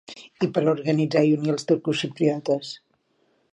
I per organitzar i unir els turcoxipriotes.